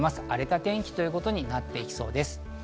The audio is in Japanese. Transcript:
荒れた天気ということになっていきそうです。